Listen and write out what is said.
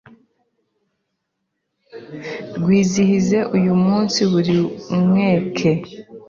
rwizihize uyu munsi buri mweke